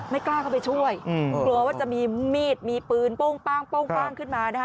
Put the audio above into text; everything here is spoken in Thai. กล้าเข้าไปช่วยกลัวว่าจะมีมีดมีปืนโป้งป้างขึ้นมานะคะ